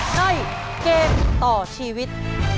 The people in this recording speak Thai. ในเกมต่อชีวิต